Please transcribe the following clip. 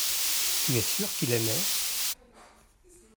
tu es sûr qu'il aimait.